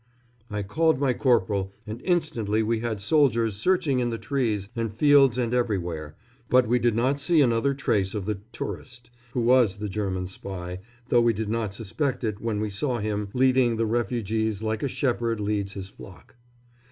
I called my corporal, and instantly we had soldiers searching in the trees and fields and everywhere; but we did not see another trace of the "tourist," who was the German spy, though we did not suspect it when we saw him leading the refugees like a shepherd leads his flock.